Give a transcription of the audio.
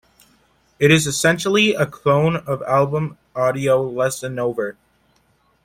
It is essentially a clone of album Audio Lessonover?